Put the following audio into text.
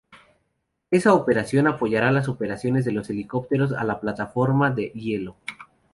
Esa operación apoyará las operaciones de helicópteros a la plataforma de hielo.